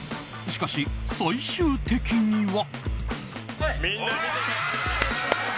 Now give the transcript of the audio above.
しかし、最終的には。